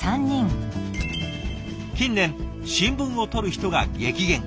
近年新聞を取る人が激減。